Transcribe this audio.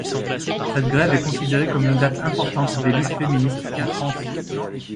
Cette grève est considérée comme une date importante des luttes féministes en France.